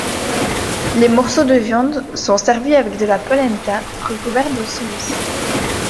Les morceaux de viande sont servis avec de la polenta, recouverts de sauce.